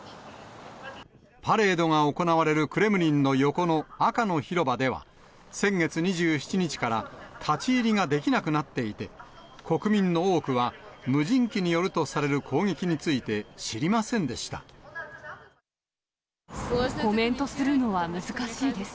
パレードが行われるクレムリンの横の赤の広場では、先月２７日から立ち入りができなくなっていて、国民の多くは無人機によるとされる攻撃について、知りませんでしコメントするのは難しいです。